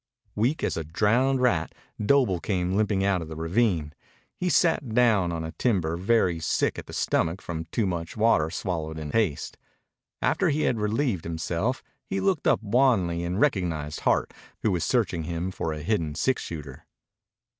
Weak as a drowned rat, Doble came limping out of the ravine. He sat down on a timber, very sick at the stomach from too much water swallowed in haste. After he had relieved himself, he looked up wanly and recognized Hart, who was searching him for a hidden six shooter.